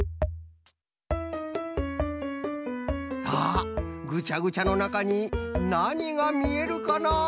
さあぐちゃぐちゃのなかになにがみえるかな？